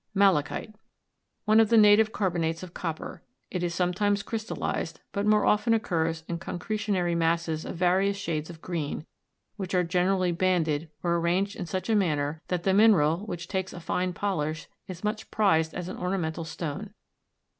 MALACHITE. One of the native carbonates of copper. It is sometimes crystallized, but more often occurs in concretionary masses of various shades of green, which are generally banded or arranged in such a manner that the mineral, which takes a fine polish, is much prized as an ornamental stone.